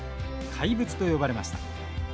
怪物と呼ばれました。